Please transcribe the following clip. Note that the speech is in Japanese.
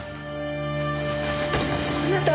あなた？